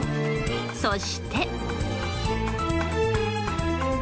そして。